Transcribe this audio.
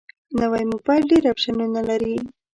نوی موبایل ډېر اپشنونه لري